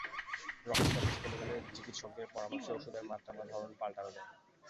রক্তচাপ বেশি কমে গেলে চিকিৎসকের পরামর্শে ওষুধের মাত্রা বা ধরন পাল্টানো যায়।